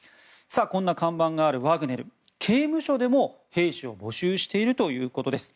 こんな看板があるワグネル刑務所でも兵士を募集しているということです。